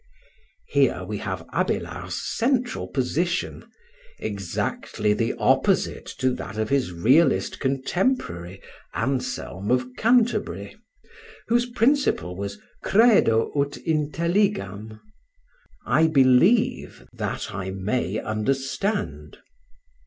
Here we have Abélard's central position, exactly the opposite to that of his realist contemporary, Anselm of Canterbury, whose principle was "Credo ut intelligam" (I believe, that I may understand).